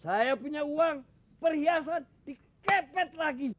saya punya uang perhiasan dikepet lagi